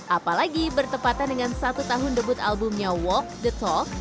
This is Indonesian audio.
apalagi bertepatan dengan satu tahun debut albumnya walk the talk